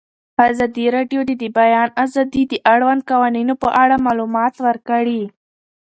ازادي راډیو د د بیان آزادي د اړونده قوانینو په اړه معلومات ورکړي.